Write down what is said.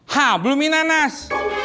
ha belum minanas